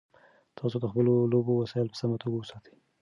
تاسو د خپلو لوبو وسایل په سمه توګه وساتئ.